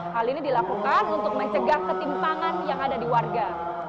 hal ini dilakukan untuk mencegah ketimpangan yang ada di warga